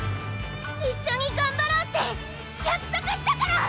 一緒に頑張ろうって約束したから！